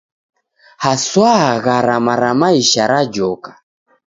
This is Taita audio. Haswa garama ra maisha rajoka.